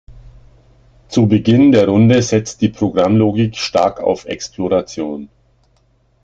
Zu Beginn der Runde setzt die Programmlogik stark auf Exploration.